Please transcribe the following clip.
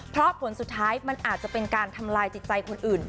เพราะผลสุดท้ายมันอาจจะเป็นการทำลายจิตใจคนอื่น